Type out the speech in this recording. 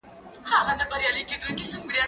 زه اوږده وخت مړۍ پخوم!.